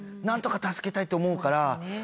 なんとか助けたいって思うから。